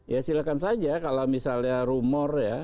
ya silahkan saja kalau misalnya rumor ya